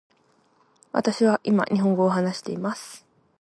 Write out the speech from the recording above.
私は今日本語を話しています。